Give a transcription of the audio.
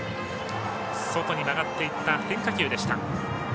外に曲がっていった変化球でした。